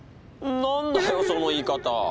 何だよその言い方！